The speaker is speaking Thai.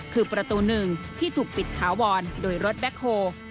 คือประตูหนึ่งที่ถูกปิดถาวรโดยรถแบ็คโฮล